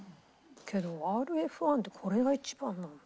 けどＲＦ１ってこれが一番なんだ。